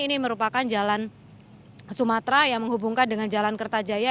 ini merupakan jalan sumatera yang menghubungkan dengan jalan kertajaya